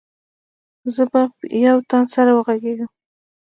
زه به يو تن سره وغږېږم.